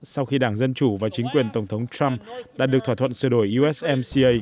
sau khi đảng dân chủ và chính quyền tổng thống trump đã được thỏa thuận sửa đổi usmca